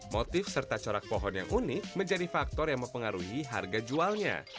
motif serta corak pohon yang unik menjadi faktor yang mempengaruhi harga jualnya